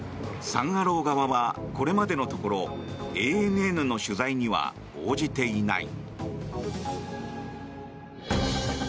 サン・アロー側はこれまでのところＡＮＮの取材には応じていない。